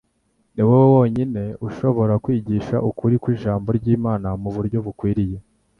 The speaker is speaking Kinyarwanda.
Ni wo wonyine ushobora kwigisha ukuri kw'Ijambo ry'Imana mu buryo bukwiriye.